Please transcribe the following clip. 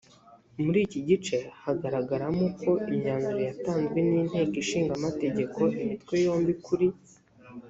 muri iki gice hagaragaramo uko imyanzuro yatanzwe n inteko ishinga amategeko imitwe yombi kuri